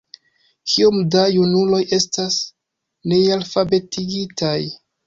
Kiom da junuloj estas nealfabetigitaj?